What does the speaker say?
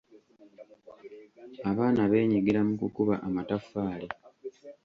Abaana beenyigira mu kukuba amataffaali.